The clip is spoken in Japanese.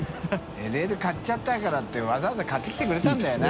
ＬＬ買っちゃったから」って錣兇錣買ってきてくれたんだよな。